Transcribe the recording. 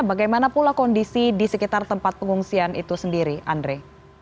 bagaimana pula kondisi di sekitar tempat pengungsian itu sendiri andre